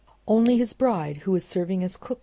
Only his bride, who was serving as